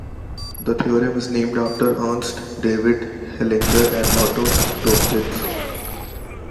The theorem is named after Ernst David Hellinger and Otto Toeplitz.